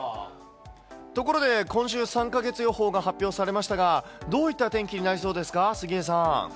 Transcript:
ところで、今週３か月予報が発表されましたが、どういった天気になりそうですか、杉江さん。